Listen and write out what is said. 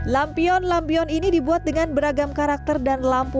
lampion lampion ini dibuat dengan beragam karakter dan lampu